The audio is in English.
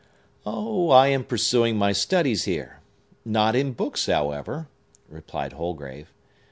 "Oh, I am pursuing my studies here; not in books, however," replied Holgrave.